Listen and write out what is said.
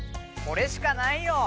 これしかないよ。